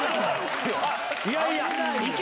いやいや！